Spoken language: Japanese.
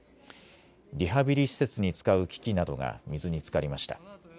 リハビリ施設に使う機器などが水につかりました。